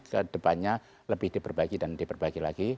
ke depannya lebih diperbaiki dan diperbaiki lagi